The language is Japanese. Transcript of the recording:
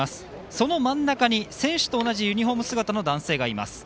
その真ん中に選手と同じユニフォーム姿の男性がいます。